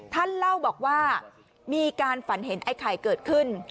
ท่านเล่าบอกว่ามีการฝันเห็นไอ้ไข่เกิดขึ้น